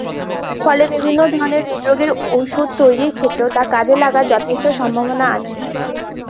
ফলে বিভিন্ন ধরনের হৃদরোগের ওষুধ তৈরির ক্ষেত্রেও তা কাজে লাগার যথেষ্ট সম্ভাবনা আছে।